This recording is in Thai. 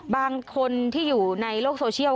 บางคนที่อยู่ในโลกโซเชียล